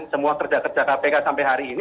semua kerja kerja kpk sampai hari ini